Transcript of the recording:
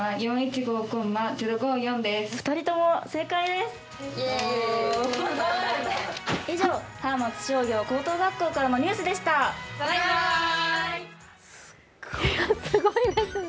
すごいですね。